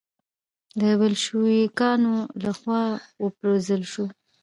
د بلشویکانو له خوا و پرځول شو.